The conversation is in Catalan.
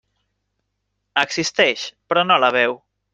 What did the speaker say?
Existeix, però no la veu.